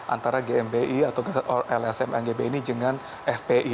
antara gmi atau lsm ngb ini dengan fpi